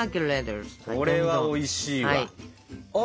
これはおいしいわ。